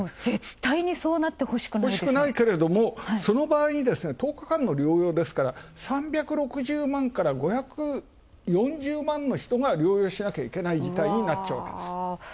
絶対そうなってほしくないけれどもその場合、１０日間の療養ですから３６０万から５４０万の人が療養しなければならない事態になっちゃうわけです。